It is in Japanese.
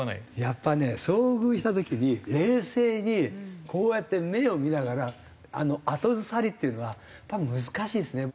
やっぱね遭遇した時に冷静にこうやって目を見ながら後ずさりっていうのは多分難しいですね。